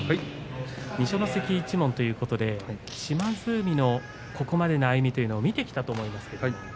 二所ノ関一門ということで島津海のここまでの歩みというのを見てきたと思います。